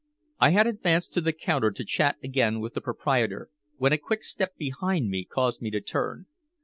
I had advanced to the counter to chat again with the proprietor, when a quick step behind me caused me to turn.